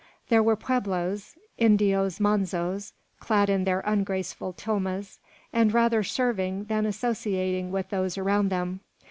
There were pueblos, Indios manzos, clad in their ungraceful tilmas, and rather serving than associating with those around them.